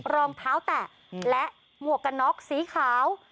รองเท้าแตะและหมวกกันน็อกสีขาว